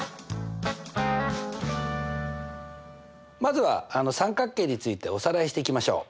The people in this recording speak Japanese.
まずは三角形についておさらいしていきましょう。